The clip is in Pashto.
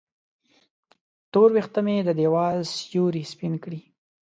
تور وېښته مې د دیوال سیورې سپین کړي